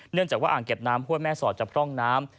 เนื่องจากว่าอ่างเก็บน้ำห้วยแม่สอดจะพร่องน้ำ